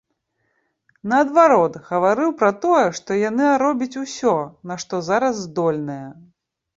Наадварот, гаварыў пра тое, што яна робіць усё, на што зараз здольная.